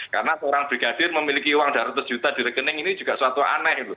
karena seorang brigadir memiliki uang dua ratus juta di rekening ini juga suatu aneh